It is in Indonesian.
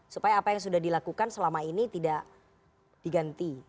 supaya apa yang sudah dilakukan selama ini tidak diganti